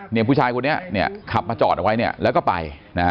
เนี่ยผู้ชายคนนี้เนี่ยขับมาจอดไว้เนี่ยแล้วก็ไป